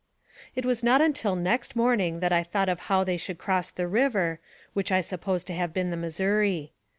It was not until next morning that I thought of how they should cross the river, which I suppose to have been the Missouri.